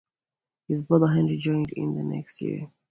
His brother Henry joined in the next year.